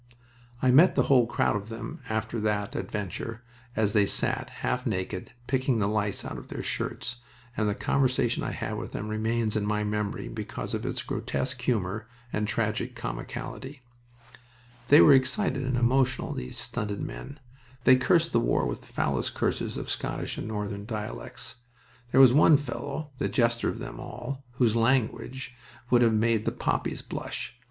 I met the whole crowd of them after that adventure, as they sat, half naked, picking the lice out of their shirts, and the conversation I had with them remains in my memory because of its grotesque humor and tragic comicality. They were excited and emotional, these stunted men. They cursed the war with the foulest curses of Scottish and Northern dialects. There was one fellow the jester of them all whose language would have made the poppies blush.